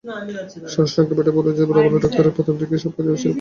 সারসংক্ষেপ এটাই যে, ভালো ডাক্তারদের প্রথমদিকে সব কাজে উৎসাহ থাকা উচিৎ।